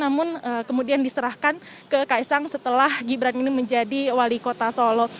namun kemudian diserahkan ke kaisang setelah gibran ini menjadi wali kota solo